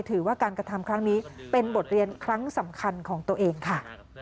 ถือว่าการกระทำครั้งนี้เป็นบทเรียนครั้งสำคัญของตัวเองค่ะ